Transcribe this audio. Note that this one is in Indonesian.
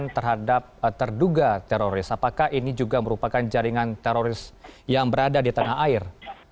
terhadap terduga teroris apakah ini juga merupakan jaringan teroris yang berada di tanah air